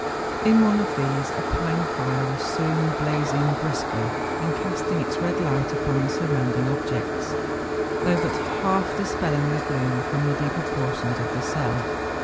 In one of these a pine fire was soon blazing briskly, and casting its red light upon the surrounding objects, though but half dis¬ pelling the gloom from the deeper portions of the cell.